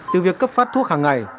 từ việc cấp phát thuốc hàng ngày